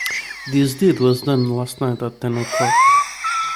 This deed was done last night at ten o'clock.